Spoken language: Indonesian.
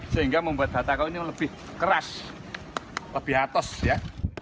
sehingga membuat batako ini lebih keras lebih atos ya